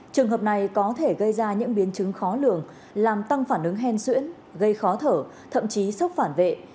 trường hợp này có thể gây ra những biến chứng khó lường làm tăng phản ứng hen xuyễn gây khó thở thậm chí sốc phản vệ